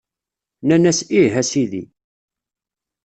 Nnan-as Ih, a Sidi!